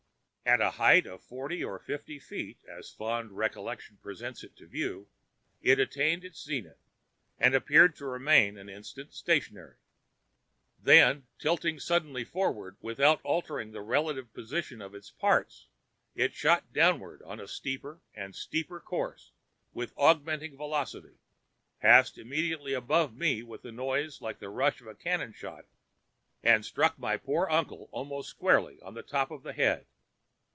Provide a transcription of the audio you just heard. "At a height of forty or fifty feet, as fond recollection presents it to view, it attained its zenith and appeared to remain an instant stationary; then, tilting suddenly forward without altering the relative position of its parts, it shot downward on a steeper and steeper course with augmenting velocity, passed immediately above me with a noise like the rush of a cannon shot and struck my poor uncle almost squarely on the top of the head!